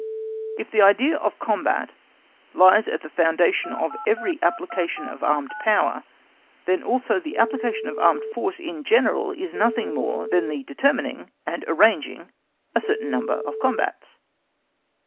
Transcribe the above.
If the idea of combat lies at the foundation of every application of armed power, then also the application of armed force in general is nothing more than the determining and arranging a certain number of combats.